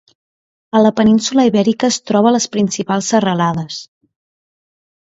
A la península Ibèrica es troba a les principals serralades.